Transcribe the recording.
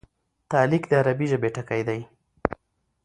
تعلیق د عربي ژبي ټکی دﺉ.